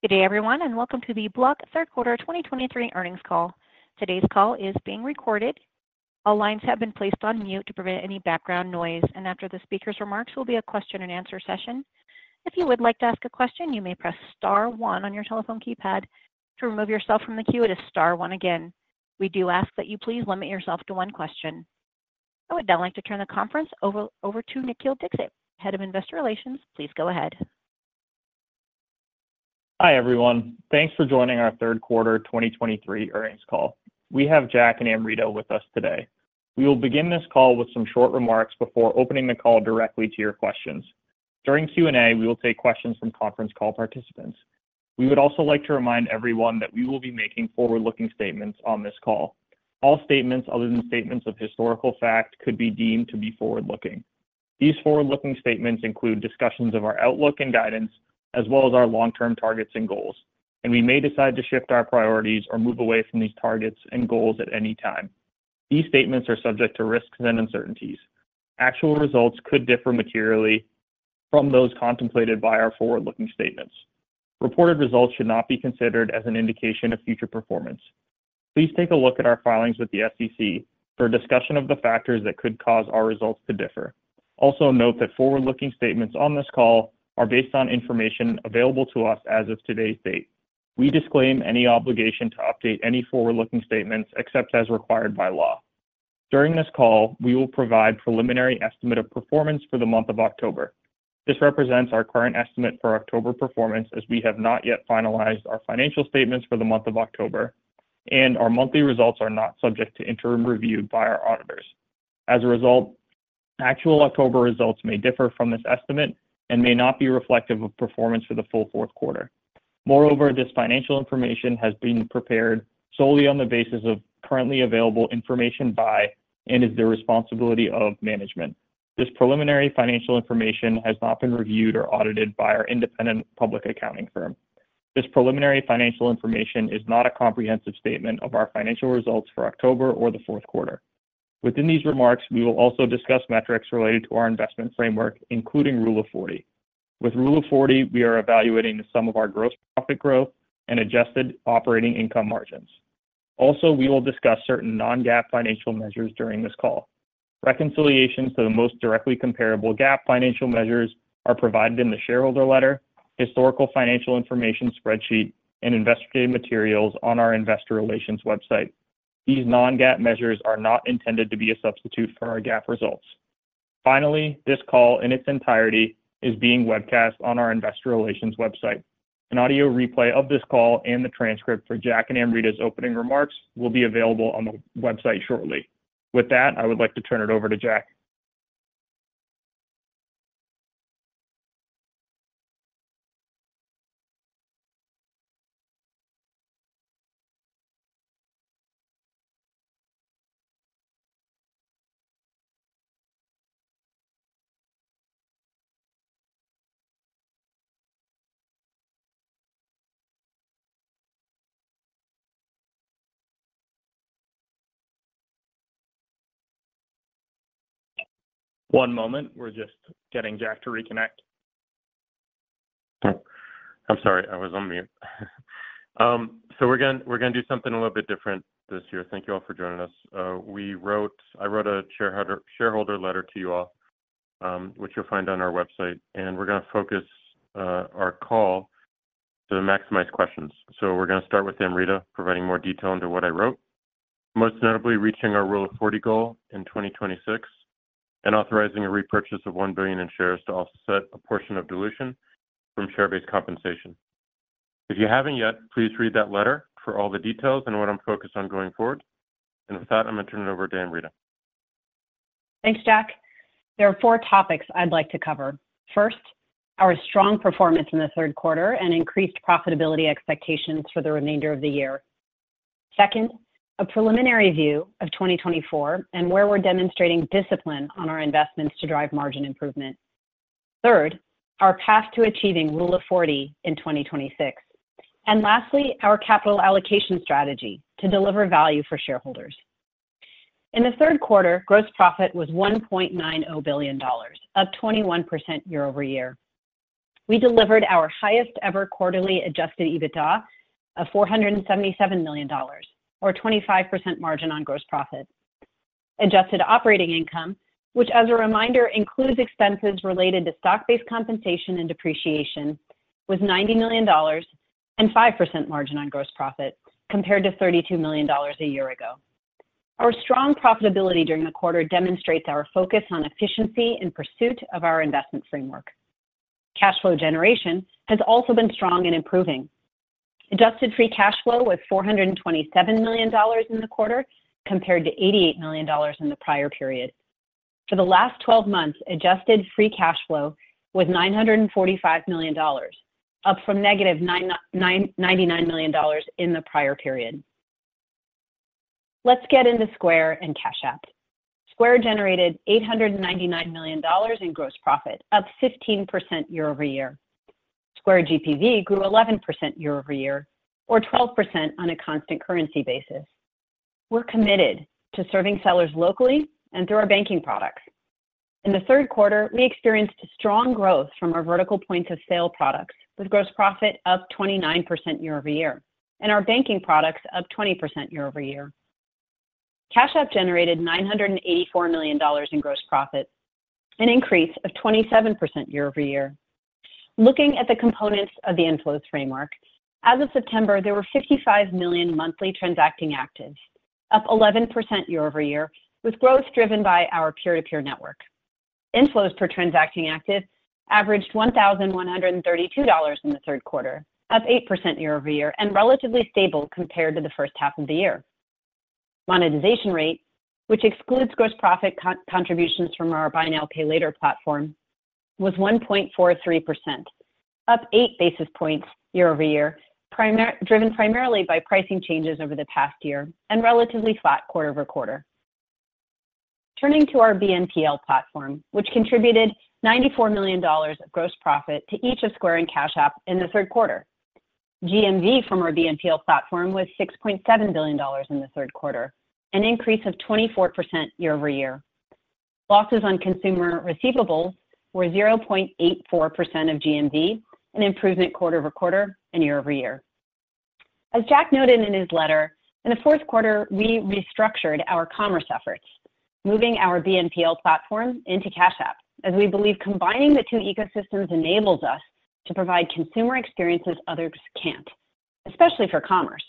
Good day, everyone, and welcome to the Block third quarter 2023 earnings call. Today's call is being recorded. All lines have been placed on mute to prevent any background noise, and after the speaker's remarks will be a question-and-answer session. If you would like to ask a question, you may press * one on your telephone keypad. To remove yourself from the queue, it is * one again. We do ask that you please limit yourself to one question. I would now like to turn the conference over to Nikhil Dixit, Head of Investor Relations. Please go ahead. Hi, everyone. Thanks for joining our third quarter 2023 earnings call. We have Jack and Amrita with us today. We will begin this call with some short remarks before opening the call directly to your questions. During Q&A, we will take questions from conference call participants. We would also like to remind everyone that we will be making forward-looking statements on this call. All statements other than statements of historical fact could be deemed to be forward-looking. These forward-looking statements include discussions of our outlook and guidance, as well as our long-term targets and goals, and we may decide to shift our priorities or move away from these targets and goals at any time. These statements are subject to risks and uncertainties. Actual results could differ materially from those contemplated by our forward-looking statements. Reported results should not be considered as an indication of future performance. Please take a look at our filings with the SEC for a discussion of the factors that could cause our results to differ. Also, note that forward-looking statements on this call are based on information available to us as of today's date. We disclaim any obligation to update any forward-looking statements except as required by law. During this call, we will provide preliminary estimate of performance for the month of October. This represents our current estimate for October performance, as we have not yet finalized our financial statements for the month of October, and our monthly results are not subject to interim review by our auditors. As a result, actual October results may differ from this estimate and may not be reflective of performance for the full fourth quarter. Moreover, this financial information has been prepared solely on the basis of currently available information by, and is the responsibility of, management. This preliminary financial information has not been reviewed or audited by our independent public accounting firm. This preliminary financial information is not a comprehensive statement of our financial results for October or the fourth quarter. Within these remarks, we will also discuss metrics related to our investment framework, including Rule of 40. With Rule of 40, we are evaluating the sum of our gross profit growth and adjusted operating income margins. Also, we will discuss certain non-GAAP financial measures during this call. Reconciliations to the most directly comparable GAAP financial measures are provided in the shareholder letter, historical financial information spreadsheet, and investor materials on our investor relations website. These non-GAAP measures are not intended to be a substitute for our GAAP results. Finally, this call in its entirety is being webcast on our investor relations website. An audio replay of this call and the transcript for Jack and Amrita's opening remarks will be available on the website shortly. With that, I would like to turn it over to Jack. One moment. We're just getting Jack to reconnect. I'm sorry, I was on mute. So we're gonna, we're gonna do something a little bit different this year. Thank you all for joining us. We wrote—I wrote a shareholder letter to you all, which you'll find on our website, and we're gonna focus our call to maximize questions. So we're gonna start with Amrita, providing more detail into what I wrote. Most notably, reaching our Rule of 40 goal in 2026 and authorizing a repurchase of $1 billion in shares to offset a portion of dilution from share-based compensation. If you haven't yet, please read that letter for all the details and what I'm focused on going forward. And with that, I'm gonna turn it over to Amrita. Thanks, Jack. There are four topics I'd like to cover. First, our strong performance in the third quarter and increased profitability expectations for the remainder of the year. Second, a preliminary view of 2024 and where we're demonstrating discipline on our investments to drive margin improvement. Third, our path to achieving Rule of 40 in 2026. And lastly, our capital allocation strategy to deliver value for shareholders. In the third quarter, gross profit was $1.90 billion, up 21% year-over-year. We delivered our highest ever quarterly Adjusted EBITDA of $477 million, or 25% margin on gross profit. Adjusted operating income, which, as a reminder, includes expenses related to stock-based compensation and depreciation, was $90 million and 5% margin on gross profit, compared to $32 million a year ago. Our strong profitability during the quarter demonstrates our focus on efficiency in pursuit of our investment framework. Cash flow generation has also been strong and improving. Adjusted Free Cash Flow was $427 million in the quarter, compared to $88 million in the prior period. For the last twelve months, Adjusted Free Cash Flow was $945 million, up from -$99 million in the prior period. Let's get into Square and Cash App. Square generated $899 million in gross profit, up 15% year-over-year. Square GPV grew 11% year-over-year or 12% on a constant currency basis. We're committed to serving sellers locally and through our banking products.... In the third quarter, we experienced strong growth from our vertical point of sale products, with gross profit up 29% year-over-year, and our banking products up 20% year-over-year. Cash App generated $984 million in gross profit, an increase of 27% year-over-year. Looking at the components of the inflows framework, as of September, there were 55 million monthly transacting actives, up 11% year-over-year, with growth driven by our peer-to-peer network. Inflows per transacting active averaged $1,132 in the third quarter, up 8% year-over-year, and relatively stable compared to the first half of the year. Monetization rate, which excludes gross profit contributions from our Buy Now, Pay Later platform, was 1.43%, up 8 basis points year-over-year, primarily driven by pricing changes over the past year and relatively flat quarter-over-quarter. Turning to our BNPL platform, which contributed $94 million of gross profit to each of Square and Cash App in the third quarter. GMV from our BNPL platform was $6.7 billion in the third quarter, an increase of 24% year-over-year. Losses on consumer receivables were 0.84% of GMV, an improvement quarter-over-quarter and year-over-year. As Jack noted in his letter, in the fourth quarter, we restructured our commerce efforts, moving our BNPL platform into Cash App, as we believe combining the two ecosystems enables us to provide consumer experiences others can't, especially for commerce.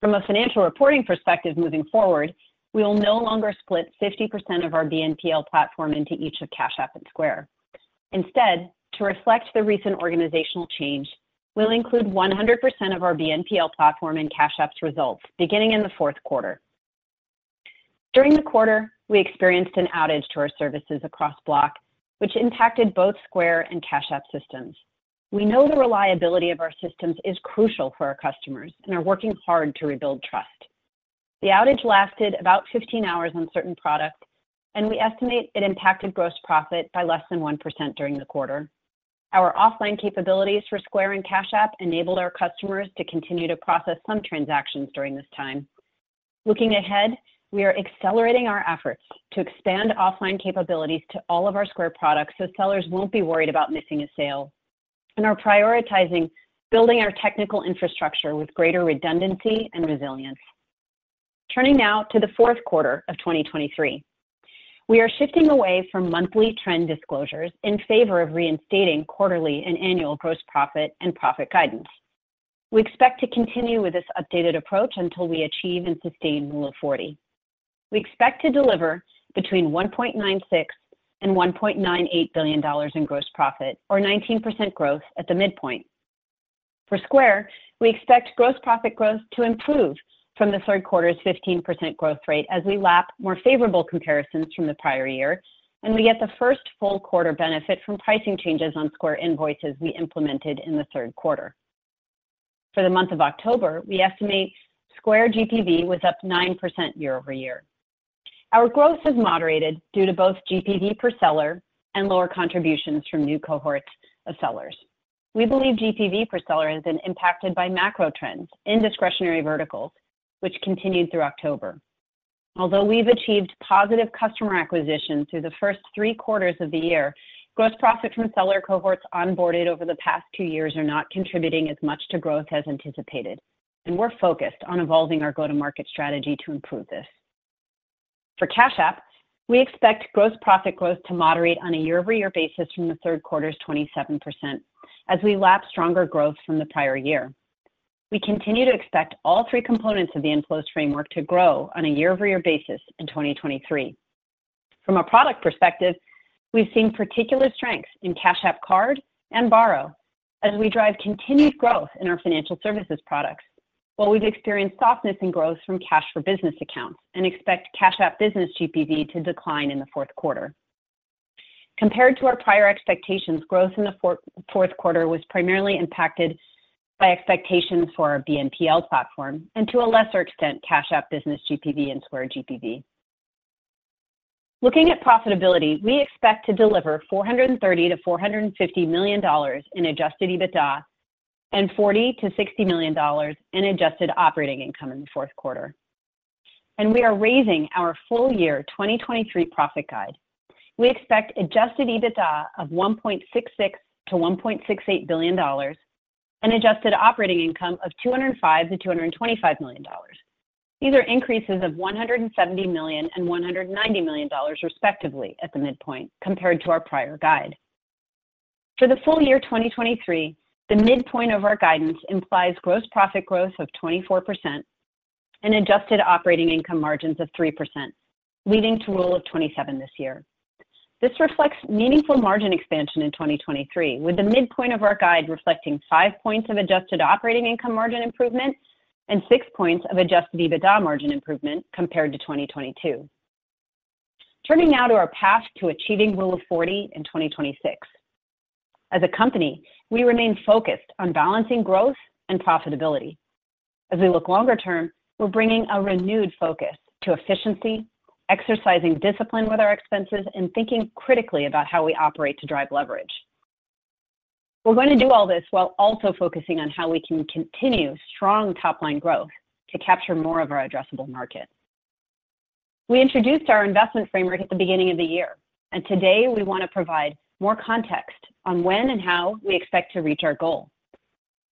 From a financial reporting perspective moving forward, we will no longer split 50% of our BNPL platform into each of Cash App and Square. Instead, to reflect the recent organizational change, we'll include 100% of our BNPL platform in Cash App's results beginning in the fourth quarter. During the quarter, we experienced an outage to our services across Block, which impacted both Square and Cash App systems. We know the reliability of our systems is crucial for our customers and are working hard to rebuild trust. The outage lasted about 15 hours on certain products, and we estimate it impacted gross profit by less than 1% during the quarter. Our offline capabilities for Square and Cash App enabled our customers to continue to process some transactions during this time. Looking ahead, we are accelerating our efforts to expand offline capabilities to all of our Square products, so sellers won't be worried about missing a sale, and are prioritizing building our technical infrastructure with greater redundancy and resilience. Turning now to the fourth quarter of 2023. We are shifting away from monthly trend disclosures in favor of reinstating quarterly and annual gross profit and profit guidance. We expect to continue with this updated approach until we achieve and sustain Rule of 40. We expect to deliver between $1.96 billion and $1.98 billion in gross profit, or 19% growth at the midpoint. For Square, we expect gross profit growth to improve from the third quarter's 15% growth rate as we lap more favorable comparisons from the prior year, and we get the first full quarter benefit from pricing changes on Square Invoices we implemented in the third quarter. For the month of October, we estimate Square GPV was up 9% year-over-year. Our growth has moderated due to both GPV per seller and lower contributions from new cohorts of sellers. We believe GPV per seller has been impacted by macro trends in discretionary verticals, which continued through October. Although we've achieved positive customer acquisition through the first three quarters of the year, gross profit from seller cohorts onboarded over the past two years are not contributing as much to growth as anticipated, and we're focused on evolving our go-to-market strategy to improve this. For Cash App, we expect gross profit growth to moderate on a year-over-year basis from the third quarter's 27% as we lap stronger growth from the prior year. We continue to expect all three components of the inflows framework to grow on a year-over-year basis in 2023. From a product perspective, we've seen particular strengths in Cash App Card and Borrow as we drive continued growth in our financial services products, while we've experienced softness in growth from Cash for business accounts and expect Cash App Business GPV to decline in the fourth quarter. Compared to our prior expectations, growth in the fourth quarter was primarily impacted by expectations for our BNPL platform and to a lesser extent, Cash App Business GPV and Square GPV. Looking at profitability, we expect to deliver $430 million-$450 million in Adjusted EBITDA and $40 million-$60 million in Adjusted Operating Income in the fourth quarter, and we are raising our full-year 2023 profit guide. We expect Adjusted EBITDA of $1.66-$1.68 billion and adjusted operating income of $205-$225 million. These are increases of $170 million and $190 million, respectively, at the midpoint, compared to our prior guide. For the full year 2023, the midpoint of our guidance implies gross profit growth of 24% and adjusted operating income margins of 3%, leading to Rule of 27 this year. This reflects meaningful margin expansion in 2023, with the midpoint of our guide reflecting 5 points of adjusted operating income margin improvement and 6 points of Adjusted EBITDA margin improvement compared to 2022. Turning now to our path to achieving Rule of 40 in 2026. As a company, we remain focused on balancing growth and profitability. As we look longer term, we're bringing a renewed focus to efficiency, exercising discipline with our expenses, and thinking critically about how we operate to drive leverage. We're going to do all this while also focusing on how we can continue strong top-line growth to capture more of our addressable market. We introduced our investment framework at the beginning of the year, and today we want to provide more context on when and how we expect to reach our goal.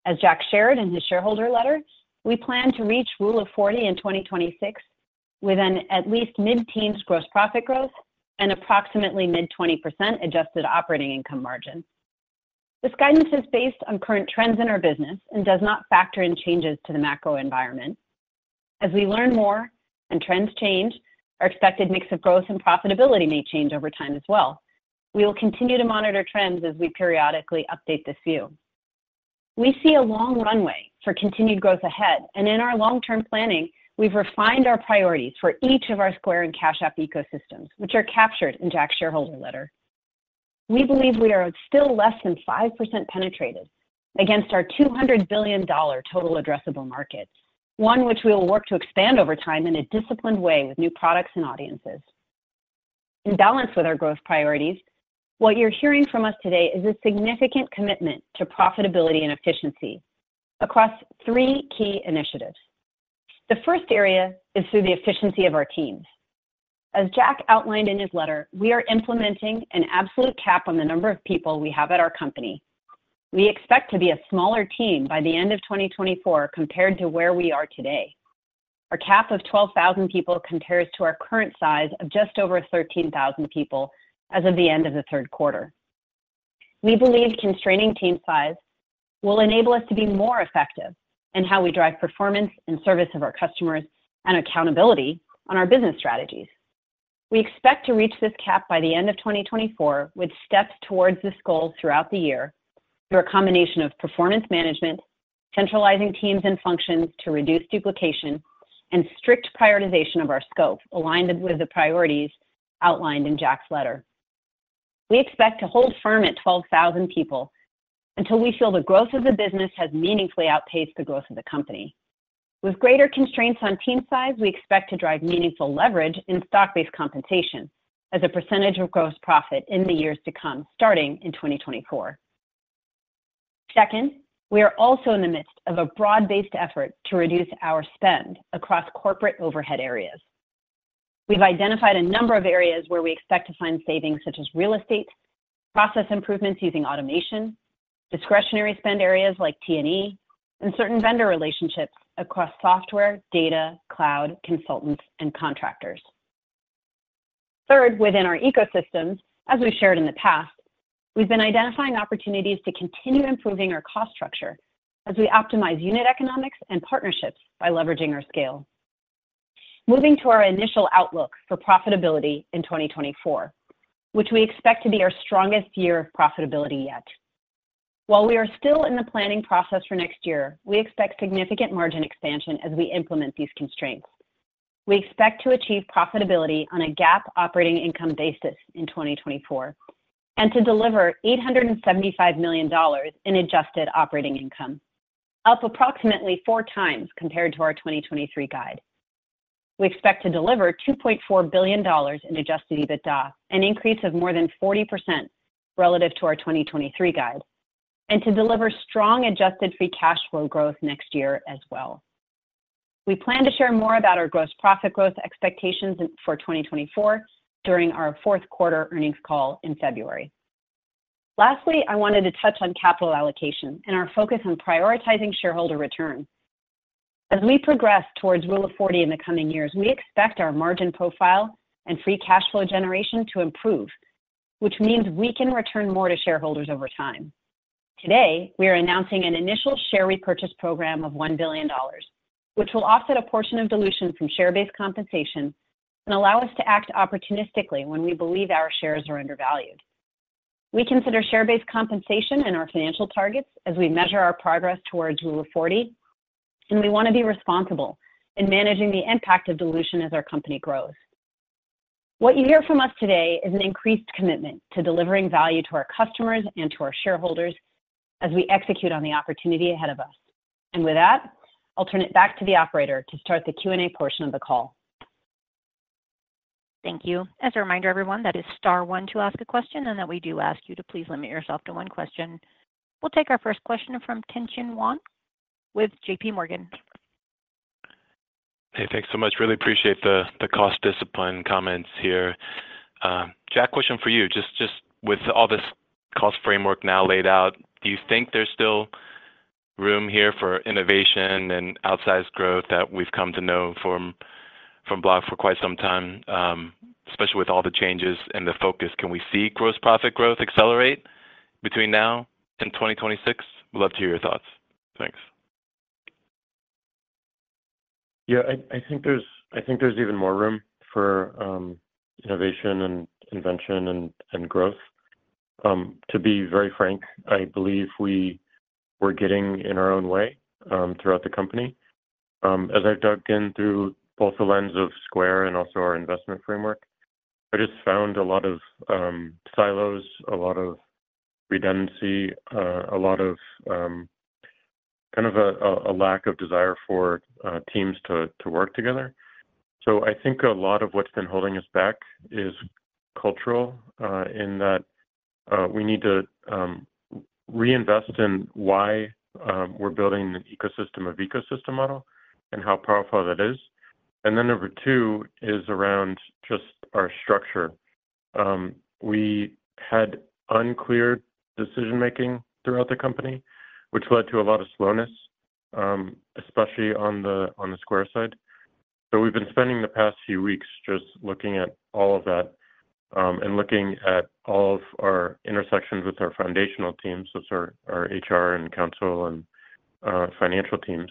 As Jack shared in his shareholder letter, we plan to reach Rule of 40 in 2026 with an at least mid-teens gross profit growth and approximately mid-20% adjusted operating income margin. This guidance is based on current trends in our business and does not factor in changes to the macro environment. As we learn more and trends change, our expected mix of growth and profitability may change over time as well. We will continue to monitor trends as we periodically update this view. We see a long runway for continued growth ahead, and in our long-term planning, we've refined our priorities for each of our Square and Cash App ecosystems, which are captured in Jack's shareholder letter. We believe we are still less than 5% penetrated against our $200 billion total addressable markets, one which we will work to expand over time in a disciplined way with new products and audiences. In balance with our growth priorities, what you're hearing from us today is a significant commitment to profitability and efficiency across three key initiatives. The first area is through the efficiency of our teams. As Jack outlined in his letter, we are implementing an absolute cap on the number of people we have at our company. We expect to be a smaller team by the end of 2024 compared to where we are today. Our cap of 12,000 people compares to our current size of just over 13,000 people as of the end of the third quarter. We believe constraining team size will enable us to be more effective in how we drive performance in service of our customers and accountability on our business strategies. We expect to reach this cap by the end of 2024, with steps towards this goal throughout the year through a combination of performance management, centralizing teams and functions to reduce duplication, and strict prioritization of our scope, aligned with the priorities outlined in Jack's letter. We expect to hold firm at 12,000 people until we feel the growth of the business has meaningfully outpaced the growth of the company. With greater constraints on team size, we expect to drive meaningful leverage in stock-based compensation as a percentage of gross profit in the years to come, starting in 2024. Second, we are also in the midst of a broad-based effort to reduce our spend across corporate overhead areas. We've identified a number of areas where we expect to find savings, such as real estate, process improvements using automation, discretionary spend areas like T&E, and certain vendor relationships across software, data, cloud, consultants, and contractors. Third, within our ecosystems, as we've shared in the past, we've been identifying opportunities to continue improving our cost structure as we optimize unit economics and partnerships by leveraging our scale. Moving to our initial outlook for profitability in 2024, which we expect to be our strongest year of profitability yet. While we are still in the planning process for next year, we expect significant margin expansion as we implement these constraints. We expect to achieve profitability on a GAAP operating income basis in 2024, and to deliver $875 million in adjusted operating income, up approximately 4x compared to our 2023 guide. We expect to deliver $2.4 billion in adjusted EBITDA, an increase of more than 40% relative to our 2023 guide, and to deliver strong adjusted free cash flow growth next year as well. We plan to share more about our gross profit growth expectations for 2024 during our fourth quarter earnings call in February. Lastly, I wanted to touch on capital allocation and our focus on prioritizing shareholder return. As we progress towards Rule of 40 in the coming years, we expect our margin profile and free cash flow generation to improve, which means we can return more to shareholders over time. Today, we are announcing an initial share repurchase program of $1 billion, which will offset a portion of dilution from share-based compensation and allow us to act opportunistically when we believe our shares are undervalued. We consider share-based compensation in our financial targets as we measure our progress towards Rule of 40, and we want to be responsible in managing the impact of dilution as our company grows. What you hear from us today is an increased commitment to delivering value to our customers and to our shareholders as we execute on the opportunity ahead of us. With that, I'll turn it back to the operator to start the Q&A portion of the call. Thank you. As a reminder, everyone, that is * one to ask a question, and that we do ask you to please limit yourself to one question. We'll take our first question from Tien-Tsin Huang with JP Morgan. Hey, thanks so much. Really appreciate the cost discipline comments here. Jack, question for you. Just with all this cost framework now laid out, do you think there's still room here for innovation and outsized growth that we've come to know from Block for quite some time, especially with all the changes and the focus, can we see gross profit growth accelerate between now and 2026? Would love to hear your thoughts. Thanks. Yeah, I think there's even more room for innovation and invention and growth. To be very frank, I believe we were getting in our own way throughout the company. As I've dug in through both the lens of Square and also our investment framework, I just found a lot of silos, a lot of redundancy, a lot of,... kind of a lack of desire for teams to work together. So I think a lot of what's been holding us back is cultural, in that we need to reinvest in why we're building an ecosystem of ecosystem model and how powerful that is. And then number two is around just our structure. We had unclear decision-making throughout the company, which led to a lot of slowness, especially on the Square side. So we've been spending the past few weeks just looking at all of that, and looking at all of our intersections with our foundational teams. So sort of our HR and counsel and, financial teams,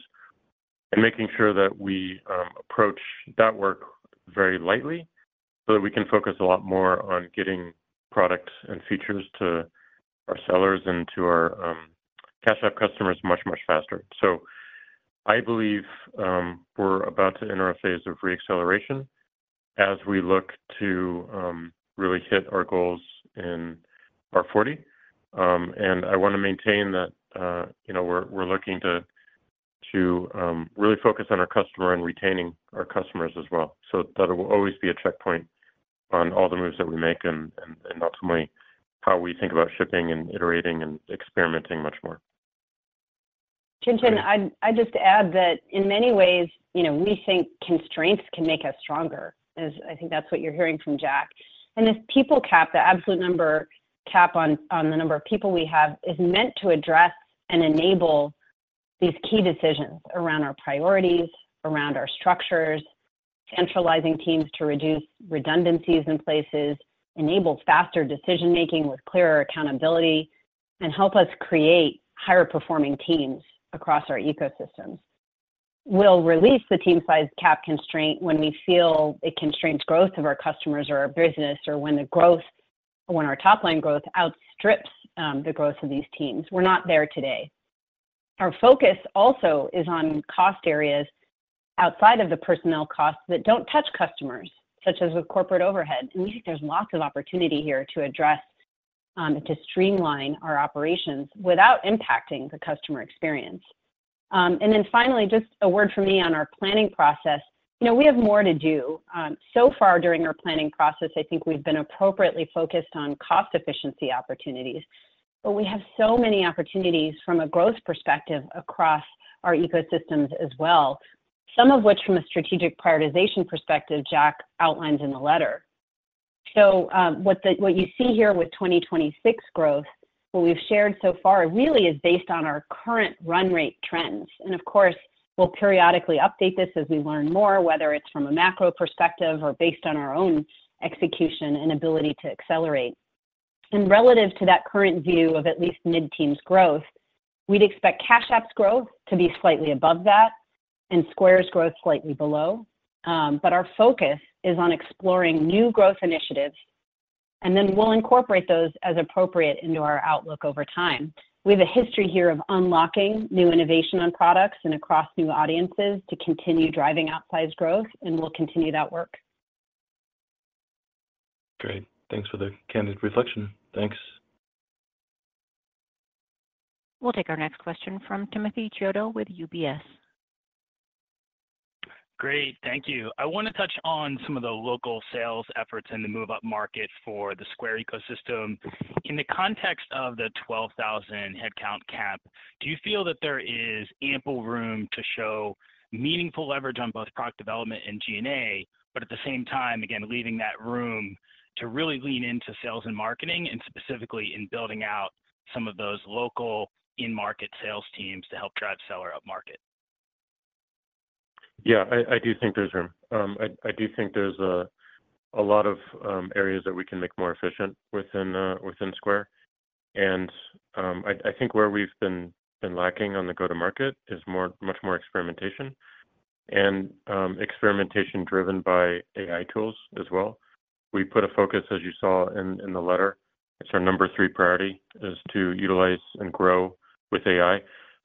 and making sure that we, approach that work very lightly so that we can focus a lot more on getting products and features to our sellers and to our, Cash App customers much, much faster. So I believe, we're about to enter a phase of re-acceleration as we look to, really hit our goals in Rule of 40. And I want to maintain that, you know, we're, we're looking to, to, really focus on our customer and retaining our customers as well. So that it will always be a checkpoint on all the moves that we make and, and, and ultimately, how we think about shipping and iterating and experimenting much more. Tien-Tsin, I'd just add that in many ways, you know, we think constraints can make us stronger, as I think that's what you're hearing from Jack. This people cap, the absolute number cap on the number of people we have, is meant to address and enable these key decisions around our priorities, around our structures, centralizing teams to reduce redundancies in places, enable faster decision-making with clearer accountability, and help us create higher-performing teams across our ecosystems. We'll release the team size cap constraint when we feel it constrains growth of our customers or our business, or when the growth, when our top line growth outstrips the growth of these teams. We're not there today. Our focus also is on cost areas outside of the personnel costs that don't touch customers, such as with corporate overhead. We think there's lots of opportunity here to address, to streamline our operations without impacting the customer experience. And then finally, just a word from me on our planning process. You know, we have more to do. So far during our planning process, I think we've been appropriately focused on cost efficiency opportunities, but we have so many opportunities from a growth perspective across our ecosystems as well, some of which from a strategic prioritization perspective, Jack outlined in the letter. So, what you see here with 2026 growth, what we've shared so far really is based on our current run rate trends. And of course, we'll periodically update this as we learn more, whether it's from a macro perspective or based on our own execution and ability to accelerate. Relative to that current view of at least mid-teens' growth, we'd expect Cash App's growth to be slightly above that and Square's growth slightly below. But our focus is on exploring new growth initiatives, and then we'll incorporate those as appropriate into our outlook over time. We have a history here of unlocking new innovation on products and across new audiences to continue driving outsized growth, and we'll continue that work. Great. Thanks for the candid reflection. Thanks. We'll take our next question from Timothy Chiodo with UBS. Great, thank you. I want to touch on some of the local sales efforts in the move-up market for the Square ecosystem. In the context of the 12,000 headcount cap, do you feel that there is ample room to show meaningful leverage on both product development and G&A, but at the same time, again, leaving that room to really lean into sales and marketing, and specifically in building out some of those local in-market sales teams to help drive seller up-market? Yeah, I do think there's room. I do think there's a lot of areas that we can make more efficient within Square. And I think where we've been lacking on the go-to-market is much more experimentation and experimentation driven by AI tools as well. We put a focus, as you saw in the letter. It's our number three priority, is to utilize and grow with AI.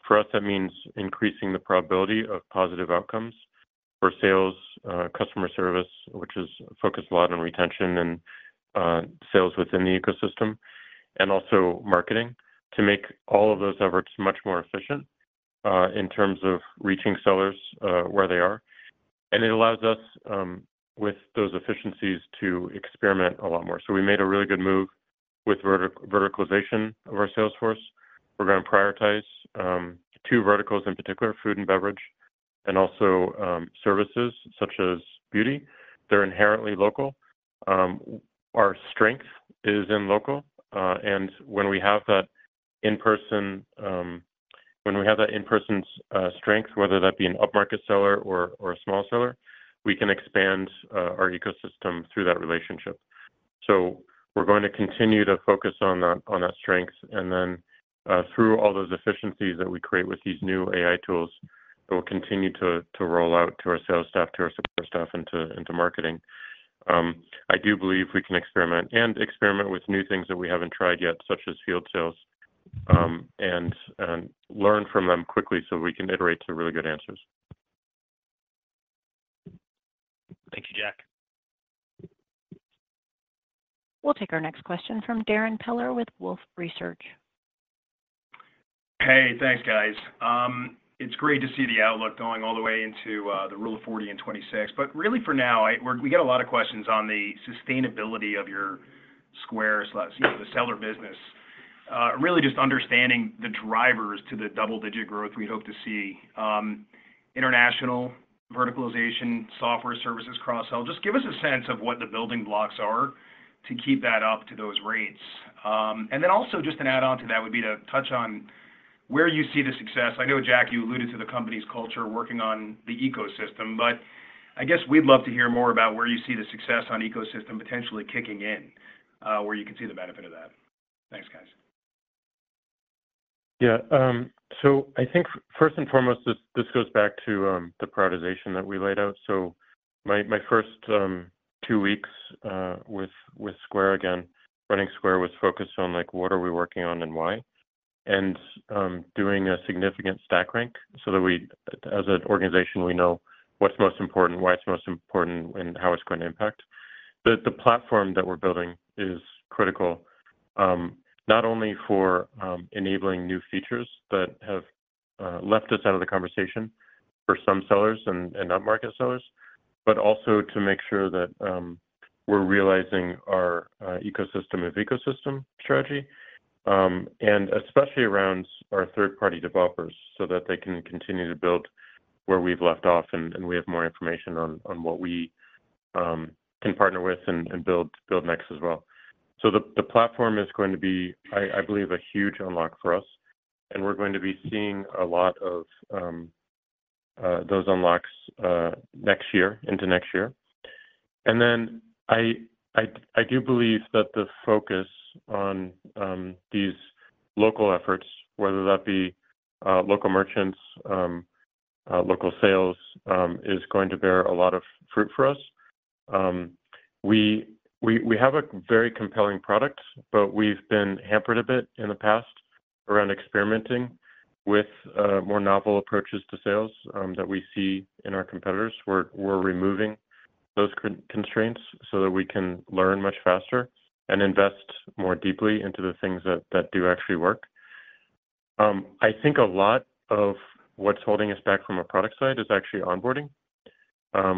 For us, that means increasing the probability of positive outcomes for sales, customer service, which is focused a lot on retention and sales within the ecosystem, and also marketing, to make all of those efforts much more efficient in terms of reaching sellers where they are. And it allows us, with those efficiencies, to experiment a lot more. So we made a really good move with verticalization of our sales force. We're going to prioritize two verticals, in particular, food and beverage, and also services such as beauty. They're inherently local. Our strength is in local, and when we have that in-person strength, whether that be an upmarket seller or a small seller, we can expand our ecosystem through that relationship. So we're going to continue to focus on that strength, and then through all those efficiencies that we create with these new AI tools, that we'll continue to roll out to our sales staff, to our support staff, and into marketing. I do believe we can experiment, and experiment with new things that we haven't tried yet, such as field sales, and learn from them quickly so we can iterate to really good answers. We'll take our next question from Darrin Peller with Wolfe Research. Hey, thanks, guys. It's great to see the outlook going all the way into the Rule of 40 and 2026. But really for now, we get a lot of questions on the sustainability of your Square slash, you know, the seller business. Really just understanding the drivers to the double-digit growth we hope to see, international verticalization, software services, cross-sell. Just give us a sense of what the building blocks are to keep that up to those rates. And then also just an add-on to that would be to touch on where you see the success. I know, Jack, you alluded to the company's culture working on the ecosystem, but I guess we'd love to hear more about where you see the success on ecosystem potentially kicking in, where you can see the benefit of that. Thanks, guys. Yeah, so I think first and foremost, this, this goes back to the prioritization that we laid out. So my, my first two weeks with, with Square, again, running Square was focused on, like, what are we working on and why? And, doing a significant stack rank so that we, as an organization, we know what's most important, why it's most important, and how it's going to impact. The platform that we're building is critical, not only for enabling new features that have left us out of the conversation for some sellers and not market sellers, but also to make sure that we're realizing our ecosystem of ecosystem strategy, and especially around our third-party developers, so that they can continue to build where we've left off, and we have more information on what we can partner with and build next as well. So the platform is going to be, I believe, a huge unlock for us, and we're going to be seeing a lot of those unlocks next year, into next year. And then I do believe that the focus on these local efforts, whether that be local merchants, local sales, is going to bear a lot of fruit for us. We have a very compelling product, but we've been hampered a bit in the past around experimenting with more novel approaches to sales that we see in our competitors. We're removing those constraints so that we can learn much faster and invest more deeply into the things that do actually work. I think a lot of what's holding us back from a product side is actually onboarding.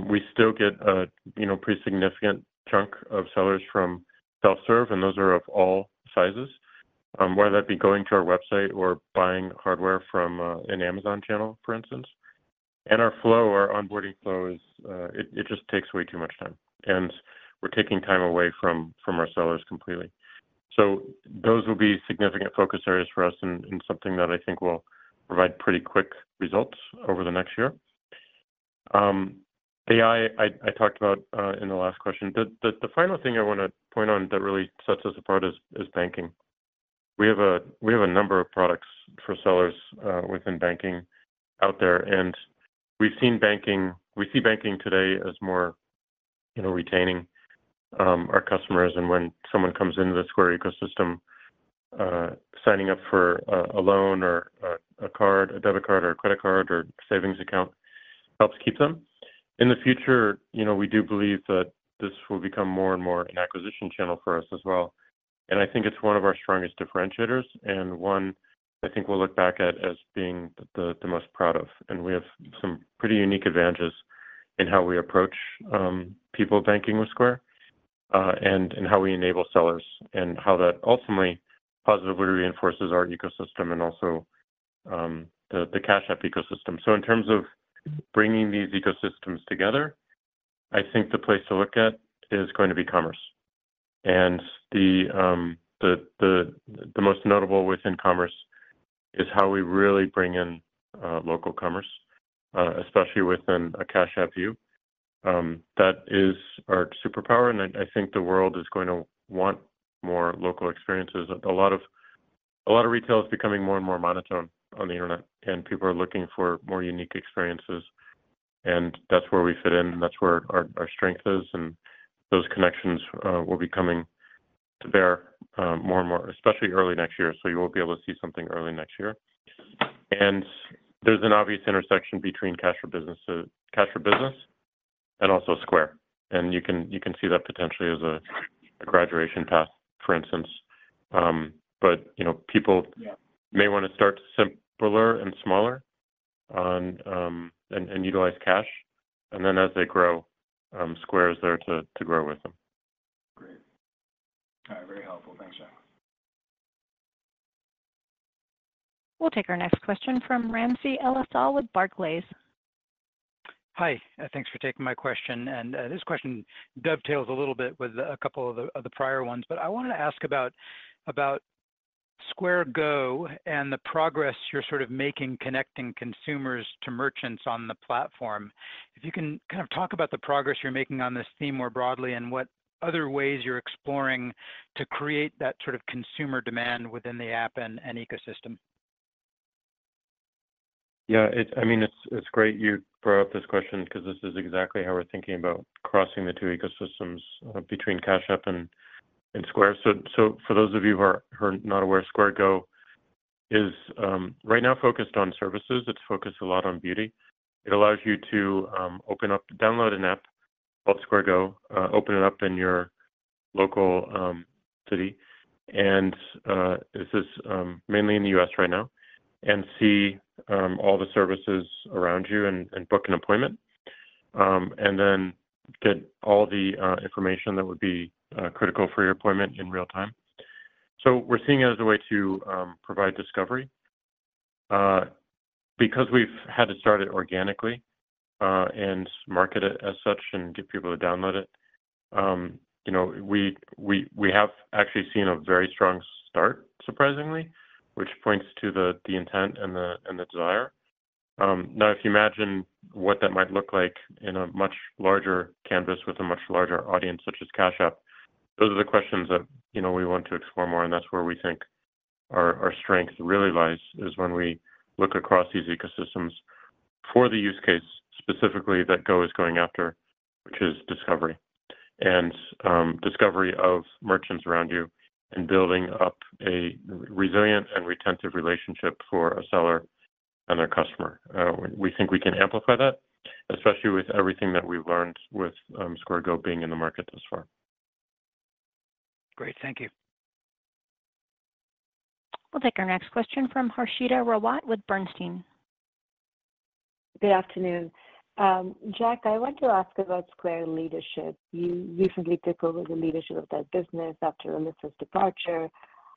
We still get a, you know, pretty significant chunk of sellers from self-serve, and those are of all sizes, whether that be going to our website or buying hardware from an Amazon channel, for instance. Our flow, our onboarding flow is. It just takes way too much time, and we're taking time away from our sellers completely. So those will be significant focus areas for us and something that I think will provide pretty quick results over the next year. AI, I talked about in the last question. The final thing I wanna point on that really sets us apart is banking. We have a number of products for sellers within banking out there, and we've seen banking. We see banking today as more, you know, retaining our customers and when someone comes into the Square ecosystem, signing up for a loan or a card, a debit card or a credit card or savings account, helps keep them. In the future, you know, we do believe that this will become more and more an acquisition channel for us as well, and I think it's one of our strongest differentiators, and one I think we'll look back at as being the most proud of. And we have some pretty unique advantages in how we approach people banking with Square, and in how we enable sellers, and how that ultimately positively reinforces our ecosystem and also the Cash App ecosystem. So in terms of bringing these ecosystems together, I think the place to look at is going to be commerce. And the most notable within commerce is how we really bring in local commerce, especially within a Cash App view. That is our superpower, and I think the world is going to want more local experiences. A lot of retail is becoming more and more monotone on the internet, and people are looking for more unique experiences, and that's where we fit in, and that's where our strength is, and those connections will be coming to bear more and more, especially early next year. You will be able to see something early next year. There's an obvious intersection between Cash App for Business and also Square, and you can see that potentially as a graduation path, for instance. But you know, people may wanna start simpler and smaller and utilize Cash App, and then as they grow, Square is there to grow with them. Great. Very helpful. Thanks, Jack. We'll take our next question from Ramsey El-Assal with Barclays. Hi, thanks for taking my question, and this question dovetails a little bit with a couple of the prior ones. But I wanted to ask about Square Go and the progress you're sort of making, connecting consumers to merchants on the platform. If you can kind of talk about the progress you're making on this theme more broadly, and what other ways you're exploring to create that sort of consumer demand within the app and ecosystem. Yeah, I mean, it's great you brought up this question because this is exactly how we're thinking about crossing the two ecosystems between Cash App and Square. So for those of you who are not aware, Square Go is right now focused on services. It's focused a lot on beauty. It allows you to open up, download an app called Square Go, open it up in your local city, and this is mainly in the U.S., right now, and see all the services around you and book an appointment. And then get all the information that would be critical for your appointment in real time. So we're seeing it as a way to provide discovery. Because we've had to start it organically, and market it as such and get people to download it, you know, we have actually seen a very strong start, surprisingly, which points to the intent and the desire. Now, if you imagine what that might look like in a much larger canvas with a much larger audience, such as Cash App, those are the questions that, you know, we want to explore more, and that's where we think our strength really lies, is when we look across these ecosystems for the use case, specifically, that Go is going after, which is discovery. And discovery of merchants around you and building up a resilient and retentive relationship for a seller and their customer. We think we can amplify that, especially with everything that we've learned with Square Go being in the market thus far. Great. Thank you. We'll take our next question from Harshita Rawat with Bernstein. Good afternoon. Jack, I want to ask about Square leadership. You recently took over the leadership of that business after Alyssa's departure.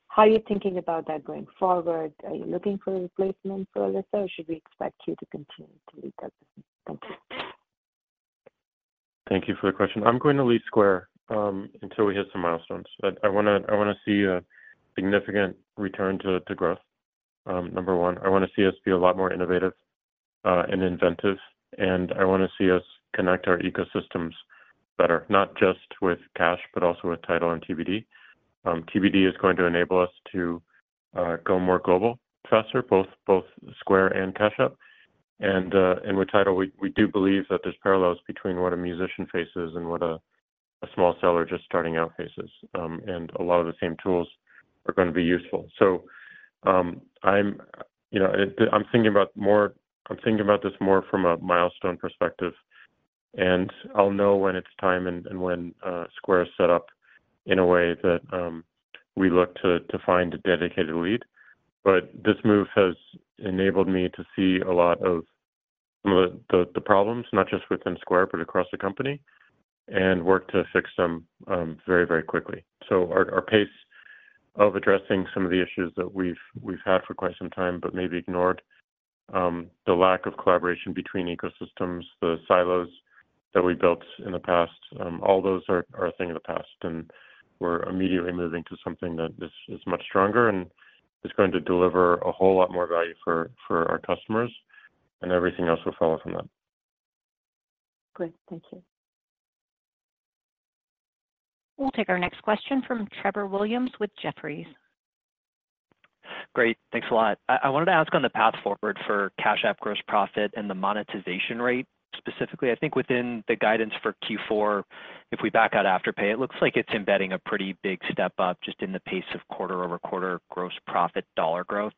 How are you thinking about that going forward? Are you looking for a replacement for Alyssa, or should we expect you to continue to lead that business? Thank you. Thank you for the question. I'm going to lead Square until we hit some milestones. But I wanna see a significant return to growth. Number one, I wanna see us be a lot more innovative and inventive, and I wanna see us connect our ecosystems better, not just with Cash, but also with Tidal and TBD. TBD is going to enable us to go more global faster, both Square and Cash App. And with Tidal, we do believe that there's parallels between what a musician faces and what a small seller just starting out faces. And a lot of the same tools are gonna be useful. So, you know, I'm thinking about this more from a milestone perspective, and I'll know when it's time and when Square is set up in a way that we look to find a dedicated lead. But this move has enabled me to see a lot of some of the problems, not just within Square, but across the company, and work to fix them very, very quickly. So our pace of addressing some of the issues that we've had for quite some time, but maybe ignored, the lack of collaboration between ecosystems, the silos that we built in the past, all those are a thing of the past, and we're immediately moving to something that is much stronger and is going to deliver a whole lot more value for our customers, and everything else will follow from that. Great. Thank you. We'll take our next question from Trevor Williams with Jefferies. Great. Thanks a lot. I, I wanted to ask on the path forward for Cash App gross profit and the monetization rate, specifically, I think within the guidance for Q4, if we back out Afterpay, it looks like it's embedding a pretty big step up just in the pace of quarter-over-quarter gross profit dollar growth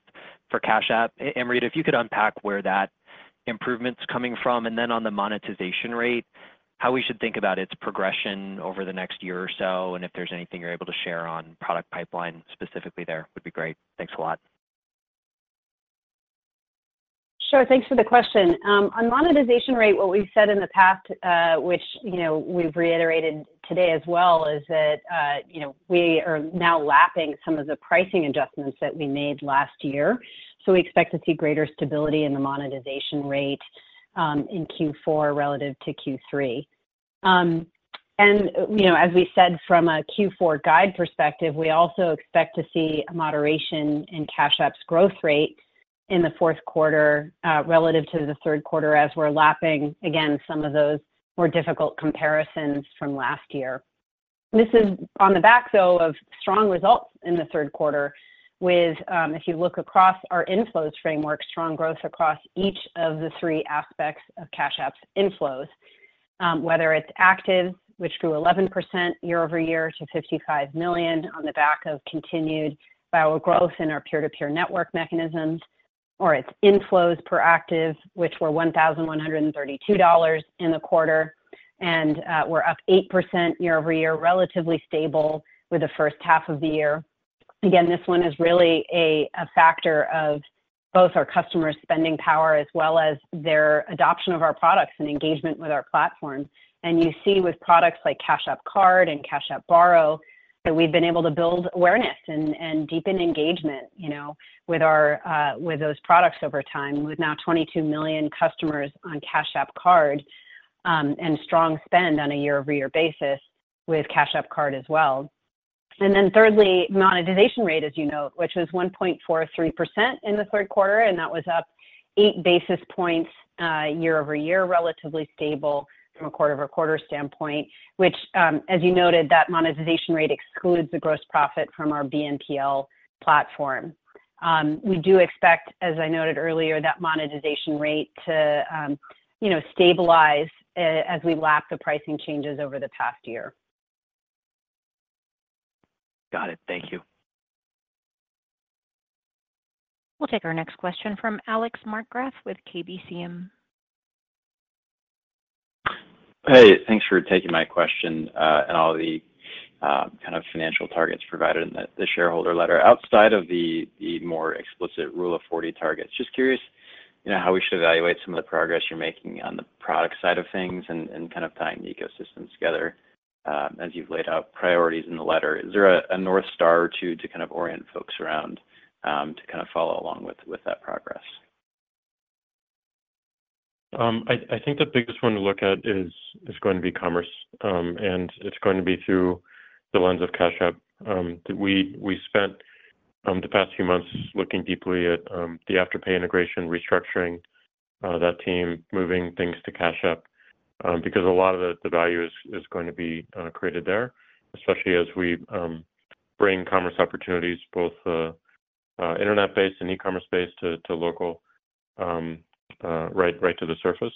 for Cash App. Amrita, if you could unpack where that improvement's coming from, and then on the monetization rate, how we should think about its progression over the next year or so, and if there's anything you're able to share on product pipeline specifically there, would be great. Thanks a lot. Sure. Thanks for the question. On monetization rate, what we've said in the past, which, you know, we've reiterated today as well, is that, you know, we are now lapping some of the pricing adjustments that we made last year. So we expect to see greater stability in the monetization rate, in Q4 relative to Q3. And, you know, as we said, from a Q4 guide perspective, we also expect to see a moderation in Cash App's growth rate in the fourth quarter, relative to the third quarter, as we're lapping, again, some of those more difficult comparisons from last year. This is on the back, though, of strong results in the third quarter with, if you look across our Inflows Framework, strong growth across each of the three aspects of Cash App's inflows, whether it's active, which grew 11% year-over-year to 55 million on the back of continued viral growth in our peer-to-peer network mechanisms, or its inflows per active, which were $1,132 in the quarter, and, we're up 8% year-over-year, relatively stable with the first half of the year. Again, this one is really a, a factor of both our customers' spending power, as well as their adoption of our products and engagement with our platform. And you see with products like Cash App Card and Cash App Borrow, that we've been able to build awareness and deepen engagement, you know, with those products over time, with now 22 million customers on Cash App Card, and strong spend on a year-over-year basis with Cash App Card as well. And then thirdly, monetization rate, as you know, which was 1.43% in the third quarter, and that was up 8 basis points, year-over-year, relatively stable from a quarter-over-quarter standpoint, which, as you noted, that monetization rate excludes the gross profit from our BNPL platform. We do expect, as I noted earlier, that monetization rate to, you know, stabilize as we lap the pricing changes over the past year. ... Got it. Thank you. We'll take our next question from Alex Markgraff with KBCM. Hey, thanks for taking my question, and all the kind of financial targets provided in the shareholder letter. Outside of the more explicit Rule of 40 targets, just curious, you know, how we should evaluate some of the progress you're making on the product side of things and kind of tying the ecosystems together, as you've laid out priorities in the letter. Is there a North Star or two to kind of orient folks around, to kind of follow along with that progress? I think the biggest one to look at is going to be commerce, and it's going to be through the lens of Cash App. We spent the past few months looking deeply at the Afterpay integration, restructuring that team, moving things to Cash App, because a lot of the value is going to be created there, especially as we bring commerce opportunities, both internet-based and e-commerce based to local right to the surface.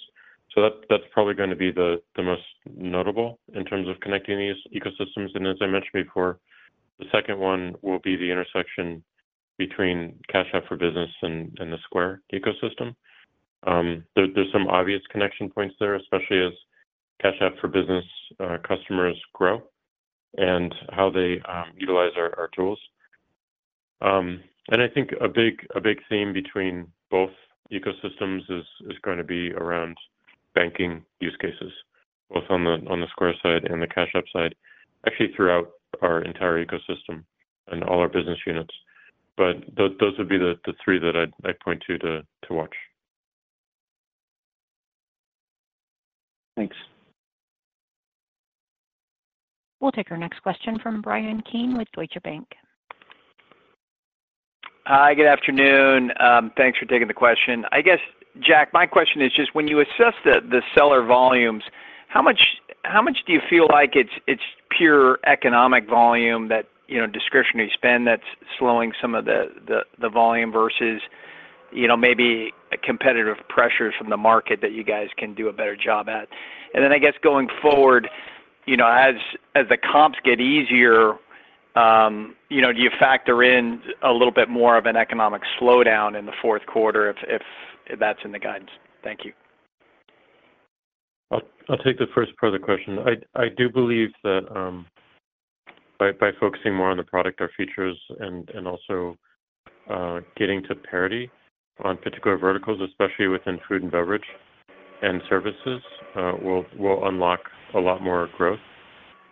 So that's probably gonna be the most notable in terms of connecting these ecosystems. And as I mentioned before, the second one will be the intersection between Cash App for Business and the Square ecosystem. There, there's some obvious connection points there, especially as Cash App for Business customers grow and how they utilize our, our tools. And I think a big, a big theme between both ecosystems is gonna be around banking use cases, both on the Square side and the Cash App side, actually throughout our entire ecosystem and all our business units. But those would be the three that I'd, I'd point to, to watch. Thanks. We'll take our next question from Brian Keane with Deutsche Bank. Hi, good afternoon. Thanks for taking the question. I guess, Jack, my question is just when you assess the seller volumes, how much do you feel like it's pure economic volume that, you know, discretionary spend that's slowing some of the volume versus, you know, maybe a competitive pressures from the market that you guys can do a better job at? And then I guess going forward, you know, as the comps get easier, you know, do you factor in a little bit more of an economic slowdown in the fourth quarter if that's in the guidance? Thank you. I'll take the first part of the question. I do believe that by focusing more on the product, our features and also getting to parity on particular verticals, especially within food and beverage and services, will unlock a lot more growth.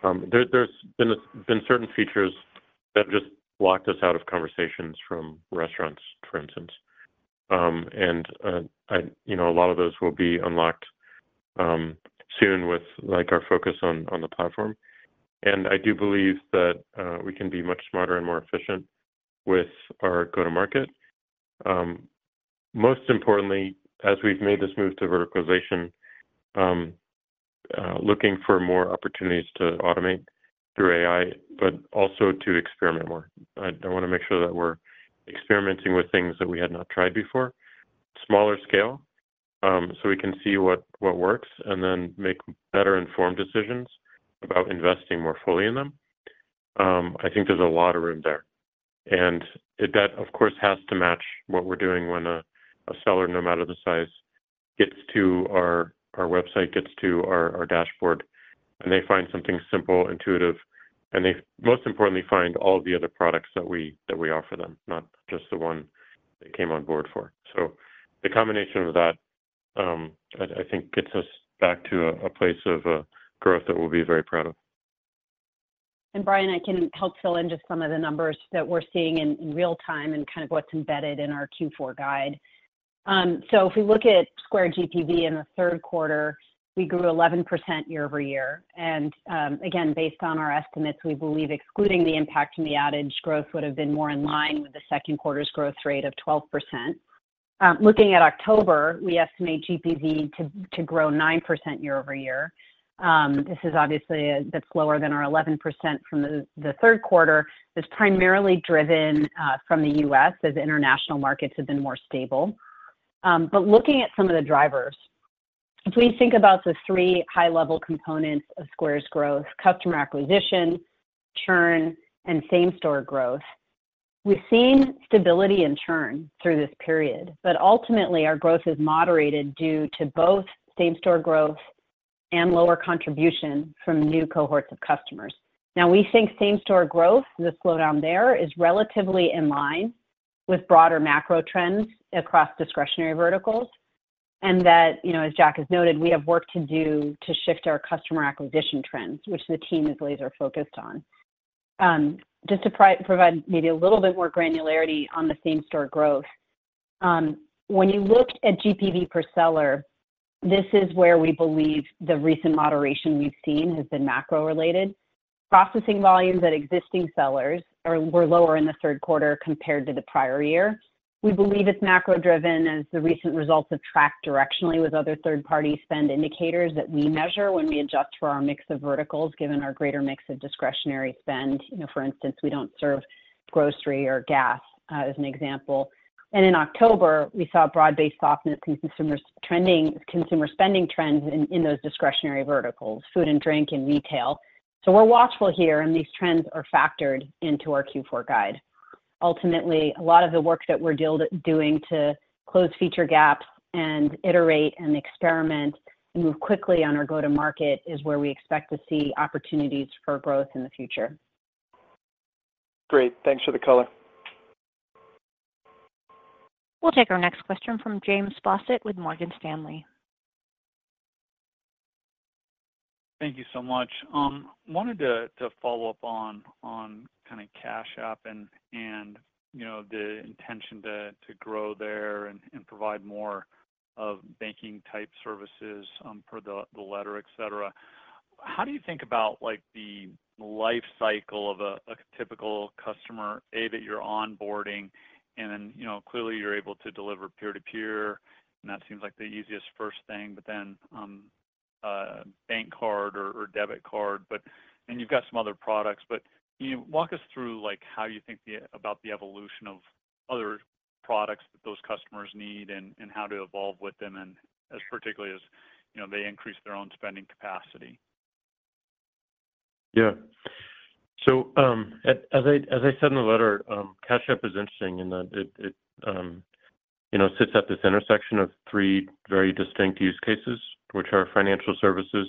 There's been certain features that just blocked us out of conversations from restaurants, for instance. And you know, a lot of those will be unlocked soon with, like, our focus on the platform. And I do believe that we can be much smarter and more efficient with our go-to-market. Most importantly, as we've made this move to verticalization, looking for more opportunities to automate through AI, but also to experiment more. I wanna make sure that we're experimenting with things that we had not tried before, smaller scale, so we can see what works and then make better informed decisions about investing more fully in them. I think there's a lot of room there, and that, of course, has to match what we're doing when a seller, no matter the size, gets to our website, gets to our dashboard, and they find something simple, intuitive, and they most importantly, find all the other products that we offer them, not just the one they came on board for. So the combination of that, I think gets us back to a place of growth that we'll be very proud of. Brian, I can help fill in just some of the numbers that we're seeing in real time and kind of what's embedded in our Q4 guide. So if we look at Square GPV in the third quarter, we grew 11% year-over-year. Again, based on our estimates, we believe excluding the impact from the outage, growth would have been more in line with the second quarter's growth rate of 12%. Looking at October, we estimate GPV to grow 9% year-over-year. This is obviously that's lower than our 11% from the third quarter, is primarily driven from the U.S., as international markets have been more stable. But looking at some of the drivers, if we think about the three high-level components of Square's growth, customer acquisition, churn, and same-store growth, we've seen stability in churn through this period, but ultimately our growth is moderated due to both same-store growth and lower contribution from new cohorts of customers. Now, we think same-store growth, the slowdown there is relatively in line with broader macro trends across discretionary verticals, and that, you know, as Jack has noted, we have work to do to shift our customer acquisition trends, which the team is laser focused on. Just to provide maybe a little bit more granularity on the same-store growth, when you looked at GPV per seller, this is where we believe the recent moderation we've seen has been macro-related. Processing volumes at existing sellers were lower in the third quarter compared to the prior year. We believe it's macro-driven, as the recent results have tracked directionally with other third-party spend indicators that we measure when we adjust for our mix of verticals, given our greater mix of discretionary spend. You know, for instance, we don't serve grocery or gas, as an example. And in October, we saw broad-based softness in consumer spending trends in those discretionary verticals, food and drink, and retail. So we're watchful here, and these trends are factored into our Q4 guide.... Ultimately, a lot of the work that we're doing to close feature gaps and iterate and experiment and move quickly on our go-to-market is where we expect to see opportunities for growth in the future. Great. Thanks for the color. We'll take our next question from James Faucette with Morgan Stanley. Thank you so much. Wanted to follow up on kind of Cash App and, you know, the intention to grow there and provide more of banking-type services, per the letter, et cetera. How do you think about, like, the life cycle of a typical customer that you're onboarding, and then, you know, clearly you're able to deliver peer-to-peer, and that seems like the easiest first thing, but then bank card or debit card, but and you've got some other products. But can you walk us through, like, how you think about the evolution of other products that those customers need and how to evolve with them and, particularly as, you know, they increase their own spending capacity? Yeah. So, as I said in the letter, Cash App is interesting in that it, you know, sits at this intersection of three very distinct use cases, which are financial services,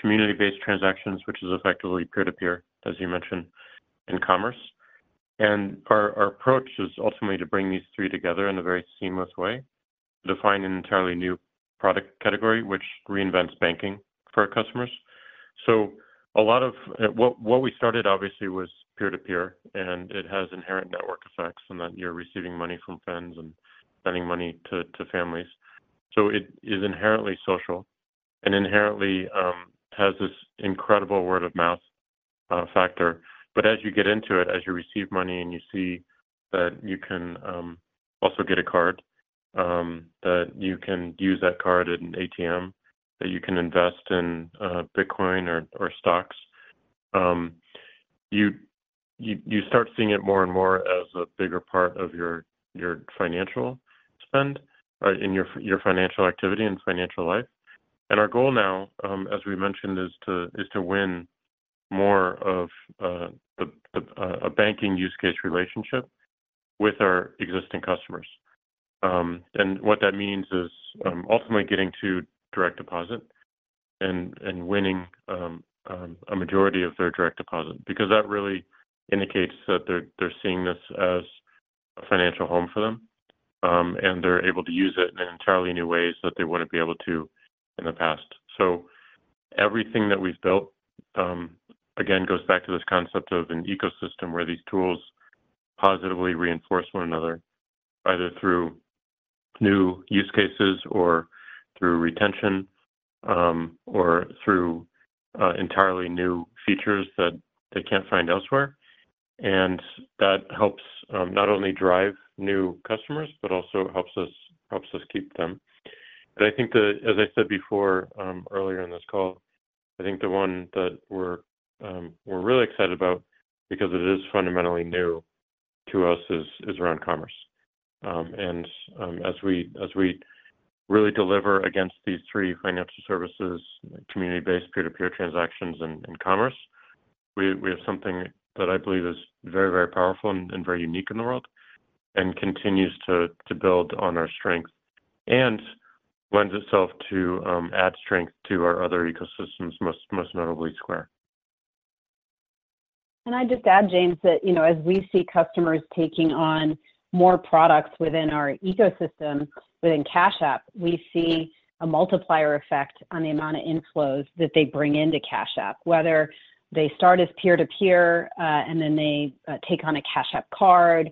community-based transactions, which is effectively peer-to-peer, as you mentioned, and commerce. And our approach is ultimately to bring these three together in a very seamless way, to define an entirely new product category, which reinvents banking for our customers. So a lot of what we started obviously was peer-to-peer, and it has inherent network effects in that you're receiving money from friends and sending money to families. So it is inherently social and inherently has this incredible word-of-mouth factor. But as you get into it, as you receive money and you see that you can also get a card that you can use that card at an ATM, that you can invest in Bitcoin or stocks, you start seeing it more and more as a bigger part of your financial spend in your financial activity and financial life. And our goal now, as we mentioned, is to win more of a banking use case relationship with our existing customers. And what that means is, ultimately getting to direct deposit and winning a majority of their direct deposit, because that really indicates that they're seeing this as a financial home for them, and they're able to use it in entirely new ways that they wouldn't be able to in the past. So everything that we've built, again, goes back to this concept of an ecosystem where these tools positively reinforce one another, either through new use cases or through retention, or through entirely new features that they can't find elsewhere. And that helps not only drive new customers, but also helps us keep them. I think as I said before, earlier in this call, I think the one that we're really excited about, because it is fundamentally new to us, is around commerce. And, as we really deliver against these three financial services, community-based, peer-to-peer transactions, and commerce, we have something that I believe is very, very powerful and very unique in the world and continues to build on our strength and lends itself to add strength to our other ecosystems, most notably, Square. Can I just add, James, that, you know, as we see customers taking on more products within our ecosystem, within Cash App, we see a multiplier effect on the amount of inflows that they bring into Cash App, whether they start as peer-to-peer, and then they take on a Cash App Card,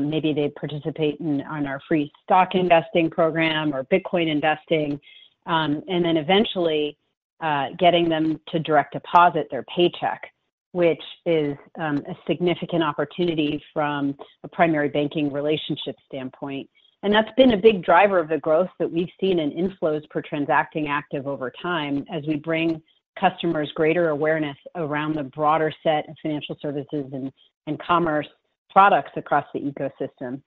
maybe they participate in our free stock investing program or Bitcoin investing, and then eventually getting them to direct deposit their paycheck, which is a significant opportunity from a primary banking relationship standpoint. And that's been a big driver of the growth that we've seen in inflows per transacting active over time as we bring customers greater awareness around the broader set of financial services and commerce products across the ecosystem.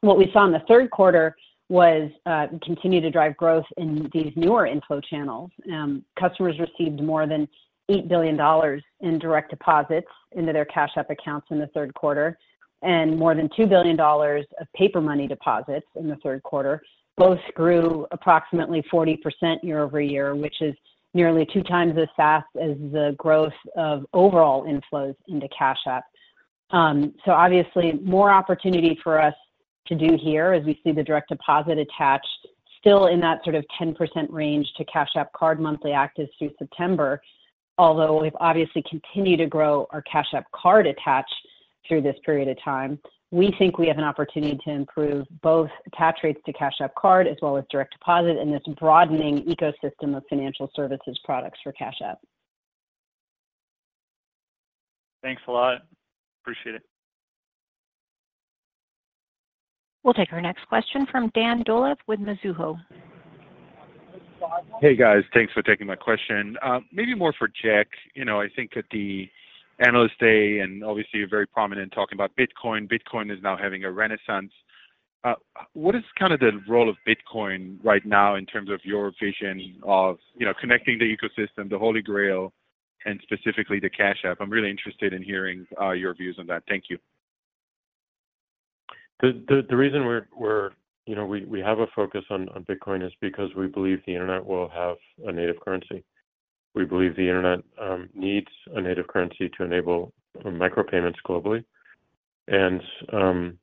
What we saw in the third quarter was continued to drive growth in these newer inflow channels. Customers received more than $8 billion in direct deposits into their Cash App accounts in the third quarter, and more than $2 billion of Paper Money deposits in the third quarter. Both grew approximately 40% year-over-year, which is nearly two times as fast as the growth of overall inflows into Cash App. So obviously, more opportunity for us to do here as we see the direct deposit attached, still in that sort of 10% range to Cash App Card monthly actives through September. Although we've obviously continued to grow our Cash App Card attached through this period of time, we think we have an opportunity to improve both attach rates to Cash App Card as well as direct deposit in this broadening ecosystem of financial services products for Cash App. Thanks a lot. Appreciate it. We'll take our next question from Dan Dolev with Mizuho. Hey, guys. Thanks for taking my question. Maybe more for Jack. You know, I think at the Analyst Day, and obviously, you're very prominent in talking about Bitcoin. Bitcoin is now having a renaissance.... What is kind of the role of Bitcoin right now in terms of your vision of, you know, connecting the ecosystem, the Holy Grail, and specifically the Cash App? I'm really interested in hearing your views on that. Thank you. The reason we're you know we have a focus on Bitcoin is because we believe the internet will have a native currency. We believe the internet needs a native currency to enable micro payments globally. And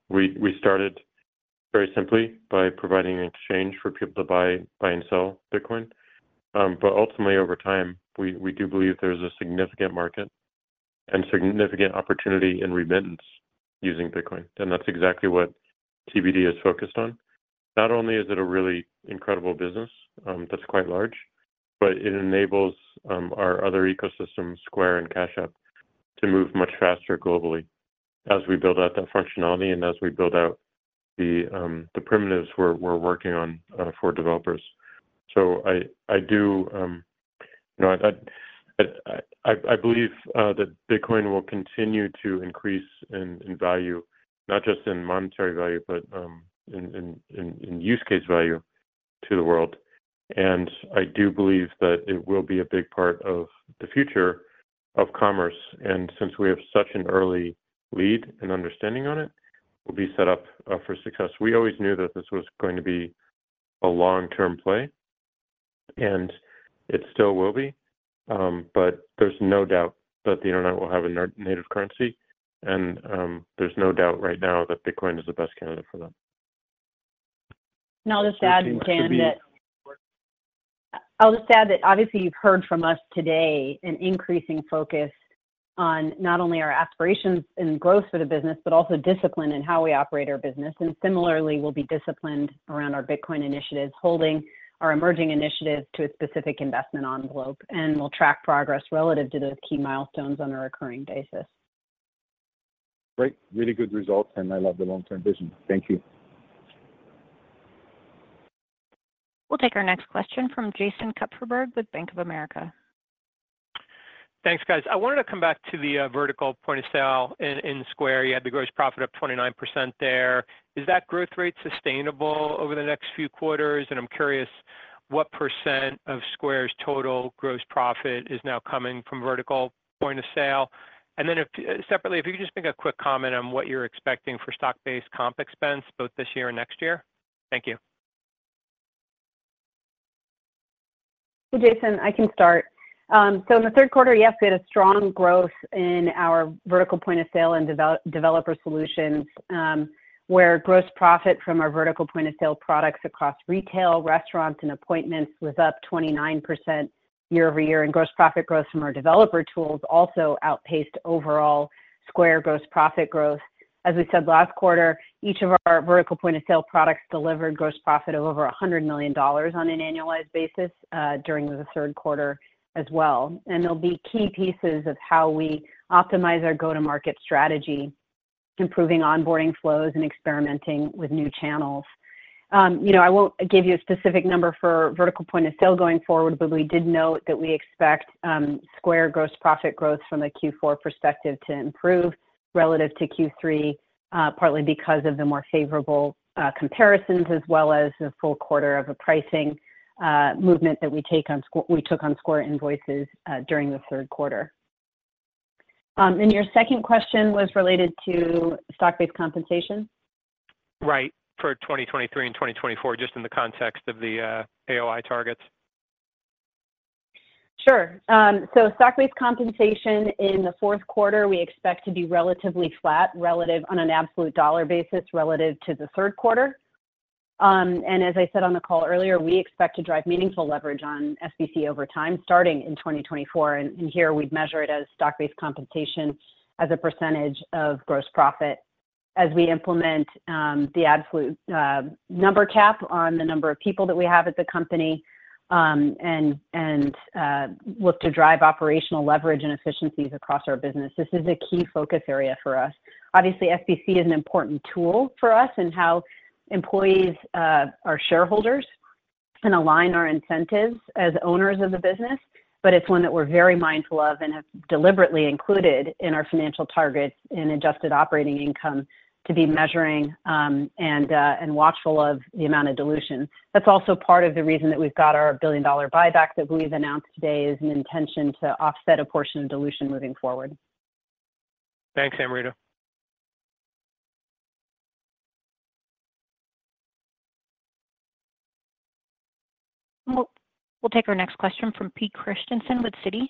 we started very simply by providing an exchange for people to buy and sell Bitcoin. But ultimately, over time, we do believe there's a significant market and significant opportunity in remittance using Bitcoin, and that's exactly what TBD is focused on. Not only is it a really incredible business that's quite large, but it enables our other ecosystems, Square and Cash App, to move much faster globally as we build out that functionality and as we build out the primitives we're working on for developers. So I do, you know, I believe that Bitcoin will continue to increase in value, not just in monetary value, but in use case value to the world. And I do believe that it will be a big part of the future of commerce, and since we have such an early lead and understanding on it, we'll be set up for success. We always knew that this was going to be a long-term play, and it still will be, but there's no doubt that the internet will have a native currency, and there's no doubt right now that Bitcoin is the best candidate for them. I'll just add, Dan, that obviously you've heard from us today an increasing focus on not only our aspirations and growth for the business, but also discipline in how we operate our business. And similarly, we'll be disciplined around our Bitcoin initiatives, holding our emerging initiatives to a specific investment envelope, and we'll track progress relative to those key milestones on a recurring basis. Great. Really good results, and I love the long-term vision. Thank you. We'll take our next question from Jason Kupferberg with Bank of America. Thanks, guys. I wanted to come back to the vertical point of sale in Square. You had the gross profit up 29% there. Is that growth rate sustainable over the next few quarters? I'm curious, what percent of Square's total gross profit is now coming from vertical point of sale? Then if, separately, if you could just make a quick comment on what you're expecting for stock-based comp expense, both this year and next year. Thank you. So Jason, I can start. In the third quarter, yes, we had a strong growth in our vertical point of sale and developer solutions, where gross profit from our vertical point of sale products across Retail, Restaurants, and Appointments was up 29% year-over-year, and gross profit growth from our developer tools also outpaced overall Square gross profit growth. As we said last quarter, each of our vertical point of sale products delivered gross profit of over $100 million on an annualized basis during the third quarter as well. They'll be key pieces of how we optimize our go-to-market strategy, improving onboarding flows and experimenting with new channels. You know, I won't give you a specific number for vertical point of sale going forward, but we did note that we expect Square gross profit growth from the Q4 perspective to improve relative to Q3, partly because of the more favorable comparisons, as well as the full quarter of a pricing movement that we took on Square Invoices during the third quarter. And your second question was related to stock-based compensation? Right, for 2023 and 2024, just in the context of the AOI targets. Sure. So stock-based compensation in the fourth quarter, we expect to be relatively flat, relative on an absolute dollar basis, relative to the third quarter. And as I said on the call earlier, we expect to drive meaningful leverage on SBC over time, starting in 2024, and here we'd measure it as stock-based compensation as a percentage of gross profit. As we implement the absolute number cap on the number of people that we have at the company, and look to drive operational leverage and efficiencies across our business. This is a key focus area for us. Obviously, SBC is an important tool for us and how employees are shareholders, and align our incentives as owners of the business, but it's one that we're very mindful of and have deliberately included in our financial targets in Adjusted Operating Income to be measuring, and watchful of the amount of dilution. That's also part of the reason that we've got our billion-dollar buyback that we've announced today, is an intention to offset a portion of dilution moving forward. Thanks, Amrita. We'll take our next question from Pete Christiansen with Citi.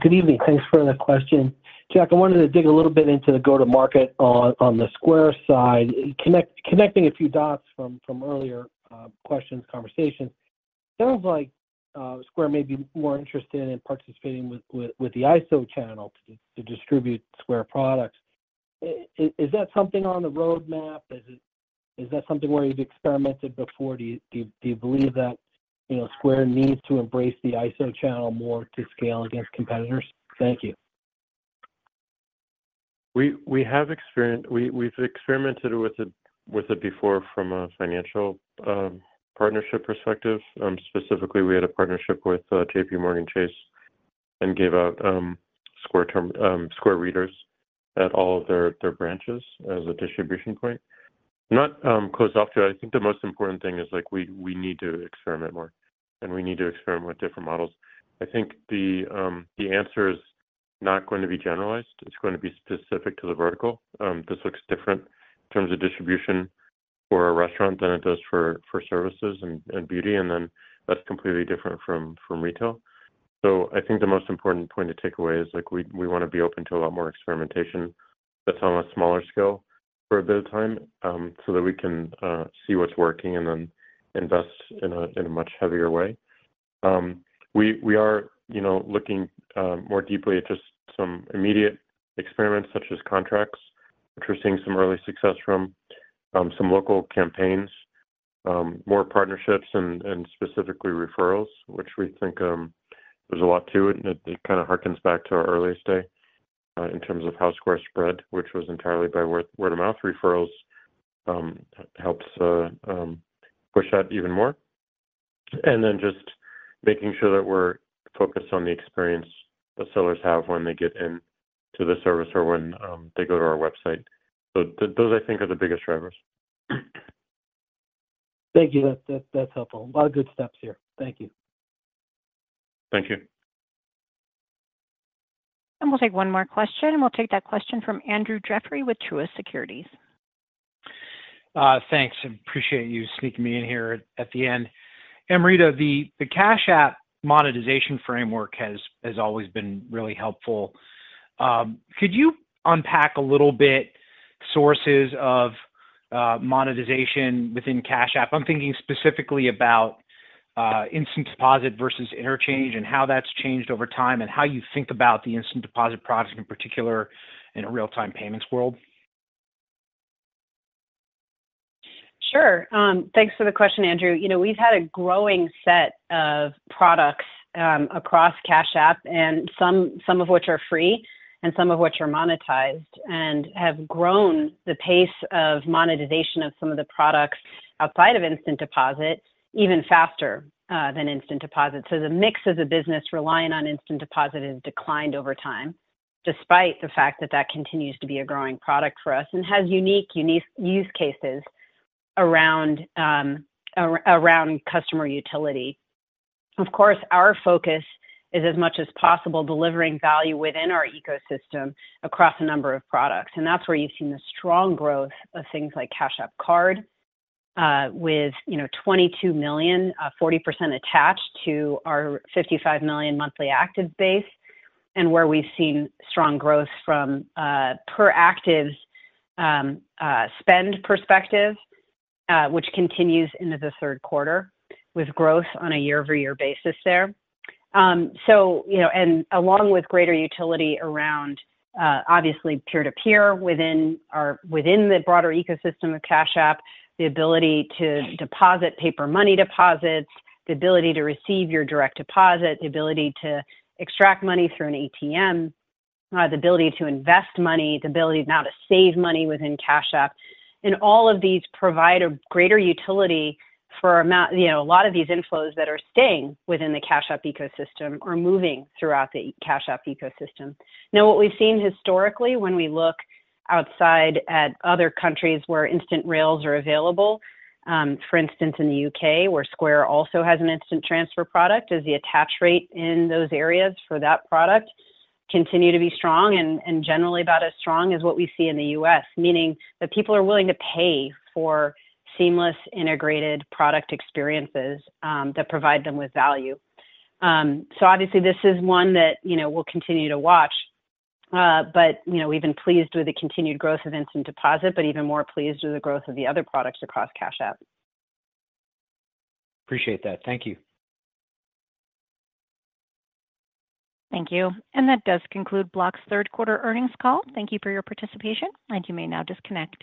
Good evening. Thanks for the question. Jack, I wanted to dig a little bit into the go-to-market on the Square side. Connecting a few dots from earlier questions, conversations. Sounds like Square may be more interested in participating with the ISO channel to distribute Square products. Is that something on the roadmap? Is it? Is that something where you've experimented before? Do you believe that, you know, Square needs to embrace the ISO channel more to scale against competitors? Thank you. We've experimented with it before from a financial partnership perspective. Specifically, we had a partnership with J.P. Morgan Chase and gave out uncertain at all of their branches as a distribution point. Not closed off to it. I think the most important thing is, like, we need to experiment more, and we need to experiment with different models. I think the answer is not going to be generalized. It's going to be specific to the vertical. This looks different in terms of distribution for a restaurant than it does for services and beauty, and then that's completely different from retail. So I think the most important point to take away is, like, we wanna be open to a lot more experimentation that's on a smaller scale for a bit of time, so that we can see what's working and then invest in a much heavier way. We are, you know, looking more deeply at just some immediate experiments, such as contracts, which we're seeing some early success from, some local campaigns, more partnerships and specifically referrals, which we think there's a lot to it. And it kinda hearkens back to our earliest day in terms of how Square spread, which was entirely by word-of-mouth referrals. Helps push that even more. Then just making sure that we're focused on the experience that sellers have when they get into the service or when they go to our website. Those, I think, are the biggest drivers. Thank you. That, that's helpful. A lot of good steps here. Thank you. Thank you. We'll take one more question, and we'll take that question from Andrew Jeffrey with Truist Securities. Thanks, and appreciate you sneaking me in here at the end. Amrita, the Cash App monetization framework has always been really helpful. Could you unpack a little bit sources of monetization within Cash App? I'm thinking specifically about Instant Deposit versus interchange and how that's changed over time, and how you think about the Instant Deposit product, in particular, in a real-time payments world. Sure. Thanks for the question, Andrew. You know, we've had a growing set of products across Cash App, and some of which are free and some of which are monetized, and have grown the pace of monetization of some of the products outside of Instant Deposit, even faster than Instant Deposit. So the mix as a business relying on Instant Deposit has declined over time, despite the fact that that continues to be a growing product for us and has unique use cases around around customer utility. Of course, our focus is, as much as possible, delivering value within our ecosystem across a number of products, and that's where you've seen the strong growth of things like Cash App Card, with, you know, 22 million, forty percent attached to our 55 million monthly active base, and where we've seen strong growth from, per active, spend perspective, which continues into the third quarter with growth on a year-over-year basis there. So, you know, and along with greater utility around, obviously peer-to-peer, within our, within the broader ecosystem of Cash App, the ability to deposit Paper Money deposits, the ability to receive your direct deposit, the ability to extract money through an ATM, the ability to invest money, the ability now to save money within Cash App. All of these provide a greater utility for amount, you know, a lot of these inflows that are staying within the Cash App ecosystem or moving throughout the Cash App ecosystem. Now, what we've seen historically when we look outside at other countries where instant rails are available, for instance, in the U.K., where Square also has an instant transfer product, is the attach rate in those areas for that product continue to be strong and generally about as strong as what we see in the U.S. Meaning that people are willing to pay for seamless, integrated product experiences, that provide them with value. So obviously this is one that, you know, we'll continue to watch, but, you know, we've been pleased with the continued growth of Instant Deposit, but even more pleased with the growth of the other products across Cash App. Appreciate that. Thank you. Thank you. That does conclude Block's third quarter earnings call. Thank you for your participation, and you may now disconnect.